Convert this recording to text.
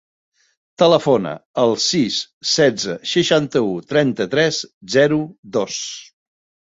Telefona al sis, setze, seixanta-u, trenta-tres, zero, dos.